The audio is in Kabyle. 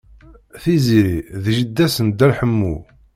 Tiziri d jida-s n Dda Ḥemmu.